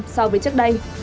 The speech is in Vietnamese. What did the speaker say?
so với trước đây